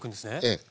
ええ。